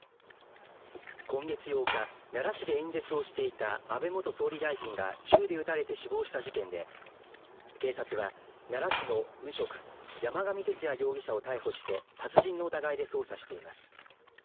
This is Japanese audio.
今月８日奈良市で演説をしていた安倍元総理大臣が銃で撃たれて死亡した事件で警察は、奈良市の無職山上徹也容疑者を逮捕して殺人の疑いで捜査しています。